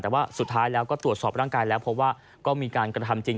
แต่ว่าสุดท้ายแล้วก็ตรวจสอบร่างกายแล้วเพราะว่าก็มีการกระทำจริง